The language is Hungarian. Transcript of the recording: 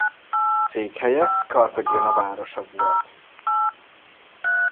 Székhelye Cartagena városa volt.